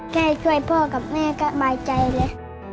ช่วยพ่อกับแม่ก็บายใจเลย